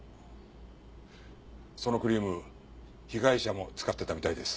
そのクリーム被害者も使ってたみたいです。